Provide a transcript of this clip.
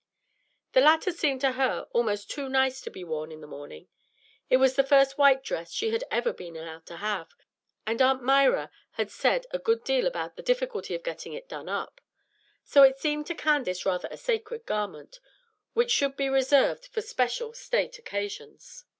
The latter seemed to her almost too nice to be worn in the morning. It was the first white dress she had ever been allowed to have, and Aunt Myra had said a good deal about the difficulty of getting it done up; so it seemed to Candace rather a sacred garment, which should be reserved for special state occasions.